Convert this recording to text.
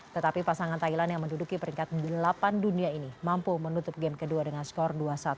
tetapi pasangan thailand yang menduduki peringkat delapan dunia ini mampu menutup game kedua dengan skor dua satu